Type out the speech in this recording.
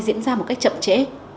diễn ra một cách chậm chẽ